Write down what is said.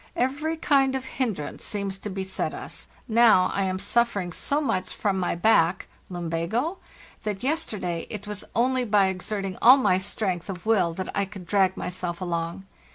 * Every kind of hinderance seems to beset us: now I am suffering so much from my back (lumbago ?) that yesterday it was only by exerting all my strength of will that I could drag myself along.